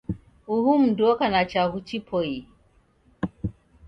Uhu m'ndu oka na chaghu chipoie.